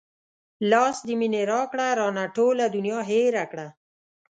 لاس د مينې راکړه رانه ټوله دنيا هېره کړه